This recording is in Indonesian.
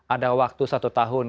ada waktu satu tahun